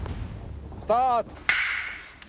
スタート。